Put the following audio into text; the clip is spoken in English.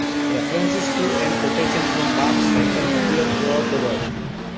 References to and quotations from Bach's cycle appear throughout the work.